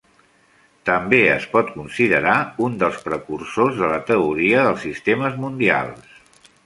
També es pot considerar un dels precursors de la teoria dels sistemes mundials.